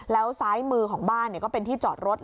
แล้วซ้ายมือของบ้านก็เป็นที่จอดรถ